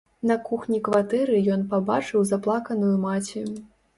На кухні кватэры ён пабачыў заплаканую маці.